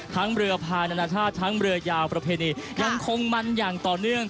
เรือภายนานาชาติทั้งเรือยาวประเพณียังคงมันอย่างต่อเนื่อง